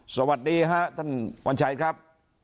สวัสดีฮะท่านวัญชัยครับ